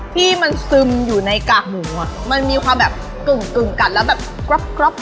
ที่มันซึมอยู่ในกากหมูอ่ะมันมีความแบบกึ่งกัดแล้วแบบกรอบ